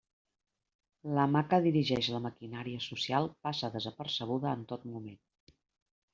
La mà que dirigeix la maquinària social passa desapercebuda en tot moment.